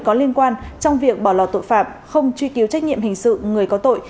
có liên quan trong việc bỏ lò tội phạm không truy cứu trách nhiệm hình sự người có tội